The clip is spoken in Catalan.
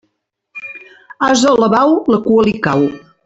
Ase alabau, la cua li cau.